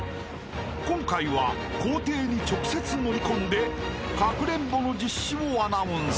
［今回は校庭に直接乗り込んでかくれんぼの実施をアナウンス］